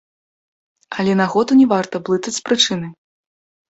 Але нагоду не варта блытаць з прычынай.